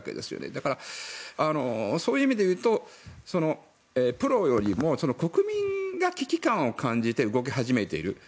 だから、そういう意味でいうとプロよりも国民が危機感を感じて動き始めている。